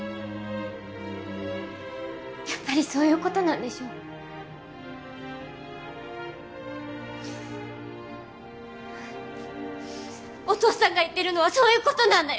やっぱりそういうことなんでしょお父さんが言ってるのはそういうことなんだよ！